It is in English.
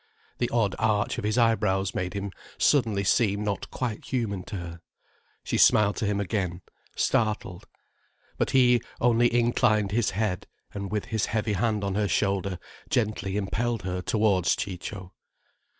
The odd arch of his eyebrows made him suddenly seem not quite human to her. She smiled to him again, startled. But he only inclined his head, and with his heavy hand on her shoulder gently impelled her towards Ciccio.